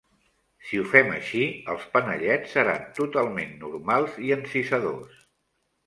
Si ho fem així, els panellets seran totalment normals i encisadors.